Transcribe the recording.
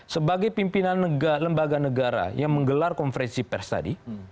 sebagai pimpinan lembaga negara yang menggelar konferensi pers tadi